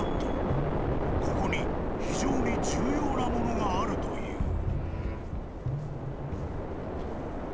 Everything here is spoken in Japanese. ［ここに非常に重要なものがあるという］